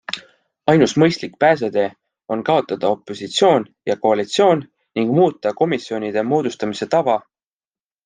Ainus mõistlik pääsetee on kaotada opositsioon ja koalitsioon ning muuta komisjonide moodustamise tava.